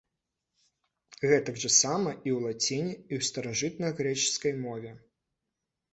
Гэтак жа сама і ў лаціне і ў старажытнагрэчаскай мове.